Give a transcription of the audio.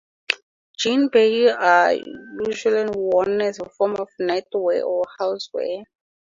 "Jinbei" are usually worn as a form of nightwear or house wear.